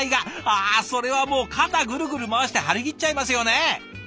ああそれはもう肩ぐるぐる回して張り切っちゃいますよね。